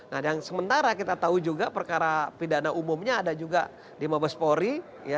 nah yang sementara kita tahu juga perkara pidana umumnya ada juga di mabespori